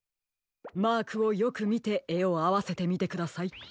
マークをよくみてえをあわせてみてください。